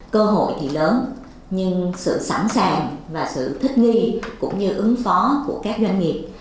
cơ hội thì lớn nhưng sự sẵn sàng và sự thích nghi cũng như ứng phó của các doanh nghiệp